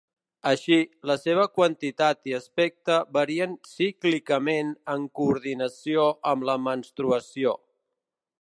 Així, la seva quantitat i aspecte varien cíclicament en coordinació amb la menstruació.